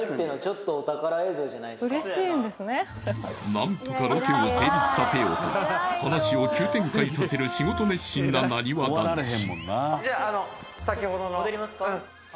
何とかロケを成立させようと話を急転換させる仕事熱心ななにわ男子